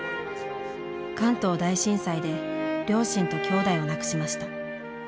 関東大震災で両親と兄弟を亡くしました。